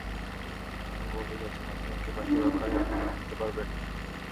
মানে, বলতে চাচ্ছেন, আপনি ওকে পার্থিব আকারে আনতে পারবেন?